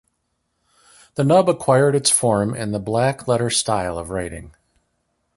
The nub acquired its form in the blackletter style of writing.